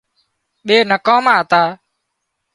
ٻي نڪاما هتا